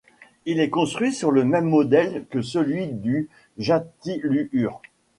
Il est construit sur le même modèle que celui du Jatiluhur.